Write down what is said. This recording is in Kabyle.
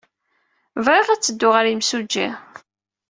Bɣiɣ ad teddud ɣer yimsujji.